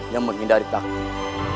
yang menghindari takdir